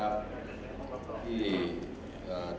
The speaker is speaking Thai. การดูแลคนสัญญาณสังเกต